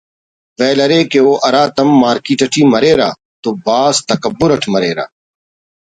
ویل ارے کہ او ہراتم مارکیٹ اٹی مریرہ تو بھاز تکبر اٹ مریرہ